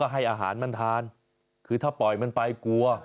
ให้อาหารมันทานคือถ้าปล่อยมันไปกลัว